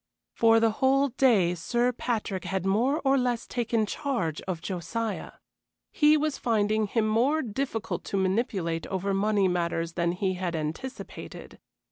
For the whole day Sir Patrick had more or less taken charge of Josiah. He was finding him more difficult to manipulate over money matters than he had anticipated.